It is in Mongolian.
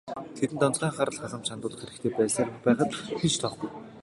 Тэдэнд онцгой анхаарал халамж хандуулах хэрэгтэй байсаар байхад хэн ч тоохгүй.